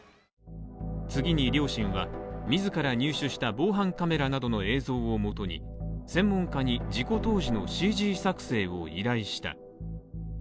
次に両親は、自ら入手した防犯カメラなどの映像をもとに、専門家に事故当時のＣＧ作成を依頼した。